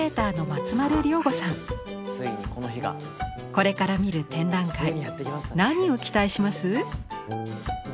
これから見る展覧会に何を期待します？